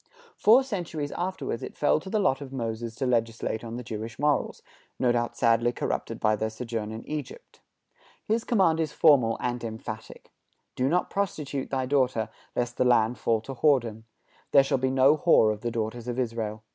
Four centuries afterward it fell to the lot of Moses to legislate on the Jewish morals, no doubt sadly corrupted by their sojourn in Egypt. His command is formal and emphatic: "Do not prostitute thy daughter, lest the land fall to whoredom.... There shall be no whore of the daughters of Israel."